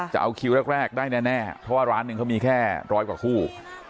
จะเอาคิวแรกได้แน่เพราะว่าร้านหนึ่งเขามีแค่ร้อยกว่าคู่